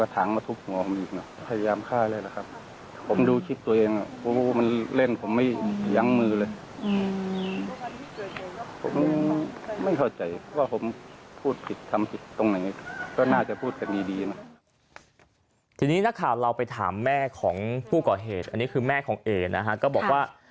ทีนี้นักข่าวเราไปถามแม่ของผู้ก่อเหตุอันนี้คือแม่ของเอนะฮะก็บอกว่า